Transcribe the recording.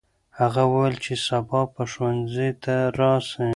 هغه وویل چې سبا به ښوونځي ته راسي.